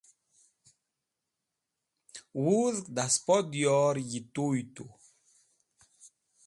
wudg da spo diyor yi tuy tu